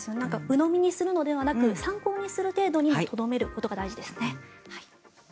うのみにするのではなく参考にする程度にとどめることが大事ですね。